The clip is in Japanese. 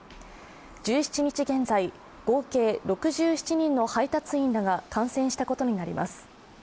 １７日現在、合計６７人の配達員らが感染したことになります。